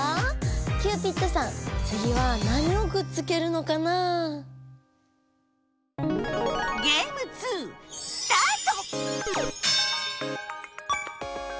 キューピッドさんつぎは何をくっつけるのかな？スタート！